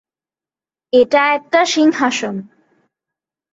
এটা একটা সিংহাসন।